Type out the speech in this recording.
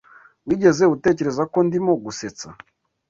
Wigeze utekereza ko ndimo gusetsa?